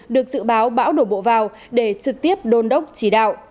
được dự báo bão đổ bộ vào để trực tiếp đôn đốc chỉ đạo